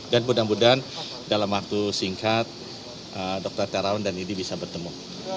dan mudah mudahan dalam waktu singkat dokter terawan dan idi bisa bertemu